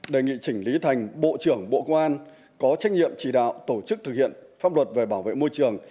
đề nghị chỉnh lý thành bộ trưởng bộ công an có trách nhiệm chỉ đạo tổ chức thực hiện pháp luật về bảo vệ môi trường